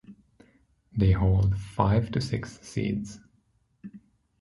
They hold five to six seeds.